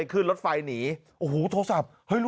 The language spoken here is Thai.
กะลาวบอกว่าก่อนเกิดเหตุ